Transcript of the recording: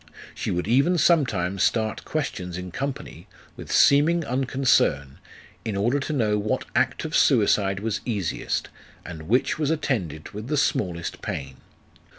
She would even sometimes start questions in company, with Homing unconcern, in order to know what act of suicide was easiest, and which was attended with the smallest pain.